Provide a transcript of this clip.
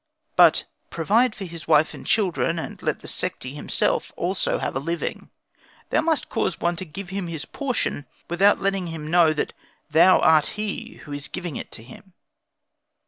But provide for his wife and his children, and let the Sekhti himself also have a living. Thou must cause one to give him his portion without letting him know that thou art he who is giving it to him."